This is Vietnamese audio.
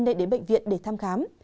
nên đến bệnh viện để thăm khám